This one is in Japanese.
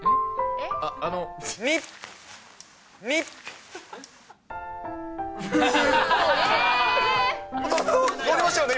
のりましたよね。